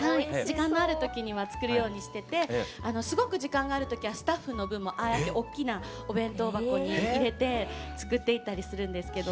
時間のある時には作るようにしててすごく時間がある時はスタッフの分もああやっておっきなお弁当箱に入れて作っていったりするんですけど。